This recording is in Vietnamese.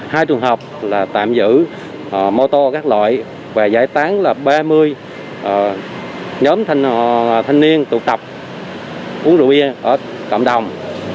hai trường hợp là tạm giữ mô tô các loại và giải tán là ba mươi nhóm thanh niên tụ tập uống rượu bia ở cộng đồng